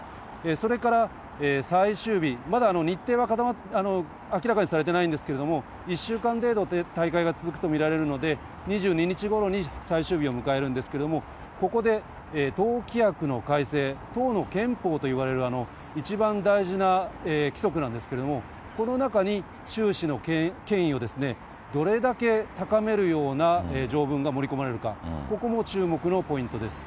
それから最終日、まだ日程は明らかにされてないんですけれども、１週間程度、大会が続くと見られるので、２２日ごろに最終日を迎えるんですけれども、ここで党規約の改正、党の憲法といわれる一番大事な規則なんですけれども、この中に習氏の権威をどれだけ高めるような条文が盛り込まれるか、ここも注目のポイントです。